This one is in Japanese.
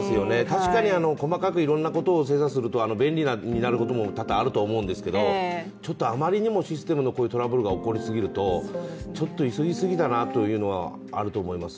確かに細かくいろんなことを精査すると、便利になることも多々あると思うんですけどちょっとあまりにもシステムのこういうトラブルが起こりすぎるとちょっと急ぎすぎたなというのはあると思います。